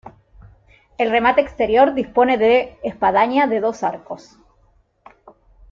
El remate exterior dispone de espadaña de dos arcos.